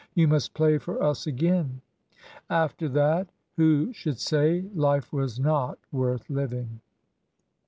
"You must play for us again." After that, who should say life was not worth living?